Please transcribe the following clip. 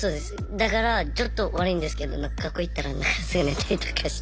だからちょっと悪いんですけど学校行ったらすぐ寝たりとかして。